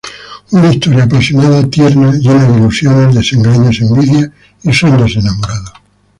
Una historia apasionada, tierna, llena de ilusiones, desengaños, envidia y sueños enamorados.